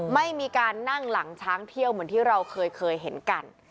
ไม่มีการนั่งหลังช้างเที่ยวเหมือนที่เราเคยเห็นกัน